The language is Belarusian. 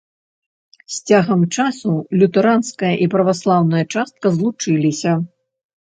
З цягам часу лютэранская і праваслаўная частка злучыліся.